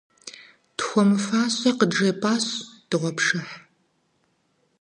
Тхуэмыфащэ къыджепӀащ дыгъуэпшыхь.